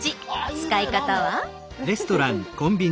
使い方は。